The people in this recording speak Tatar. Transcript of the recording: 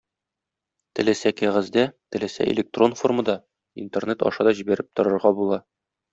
Теләсә кәгазьдә, теләсә электрон формада, интернет аша да җибәреп торырга була.